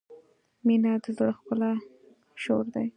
• مینه د زړۀ ښکلی شور دی.